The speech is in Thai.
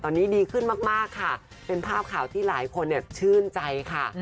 ตอนนี้ดีขึ้นมากค่ะเป็นภาพข่าวที่หลายคนชื่นใจค่ะ